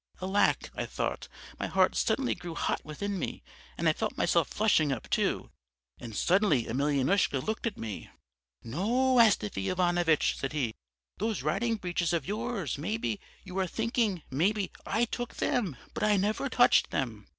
Alack, I thought; my heart suddenly grew hot within me and I felt myself flushing up too. And suddenly Emelyanoushka looked at me. "'No, Astafy Ivanovitch,' said he, 'those riding breeches of yours, maybe, you are thinking, maybe, I took them, but I never touched them.'